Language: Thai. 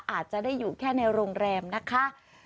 อาจจะได้อยู่แค่ในโรงแรมนะคะ